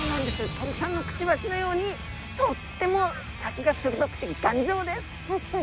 鳥さんのくちばしのようにとっても先がするどくてがんじょうです。